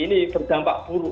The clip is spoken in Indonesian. jadi terdampak buruk